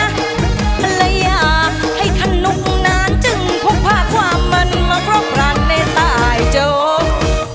อะไรย่าให้ทะนุ่มนานจึงพูดภาพความมั่นมาครบร้านในตายเจ้า